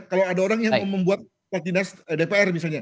kalau ada orang yang membuat dinas dpr misalnya